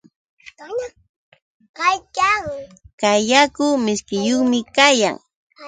Kay yaku mishkiyuqmi kayan.